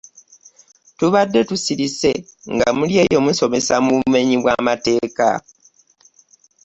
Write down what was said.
Tubadde tusirise nga muli eyo musomesa mu bumenyi bw'amateeka.